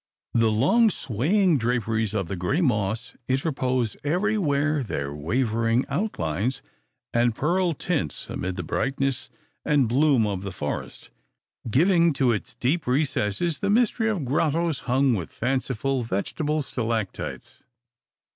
The long swaying draperies of the gray moss interpose everywhere their wavering outlines and pearl tints amid the brightness and bloom of the forest, giving to its deep recesses the mystery of grottoes hung with fanciful vegetable stalactites.